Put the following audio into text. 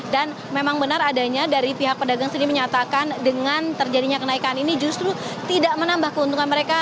dan memang benar adanya dari pihak pedagang sendiri menyatakan dengan terjadinya kenaikan ini justru tidak menambah keuntungan mereka